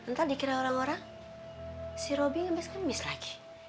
ntar dikira orang orang si robi ngemis ngemis lagi